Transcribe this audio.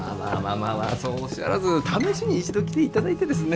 まあそうおっしゃらず試しに一度来ていただいてですね。